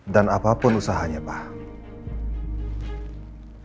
dan apapun usahanya pak